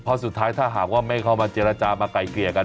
เพราะสุดท้ายถ้าหากว่าไม่เข้ามาเจรจามาไกลเกลี่ยกัน